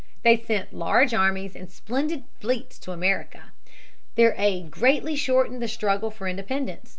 They sent large armies and splendid fleets to America. Their aid greatly shortened the struggle for independence.